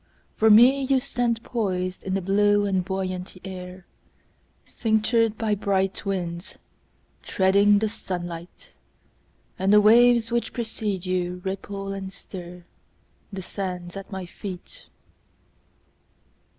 For me, You stand poisedIn the blue and buoyant air, Cinctured by bright winds, Treading the sunlight. And the waves which precede youRipple and stirThe sands at my feet.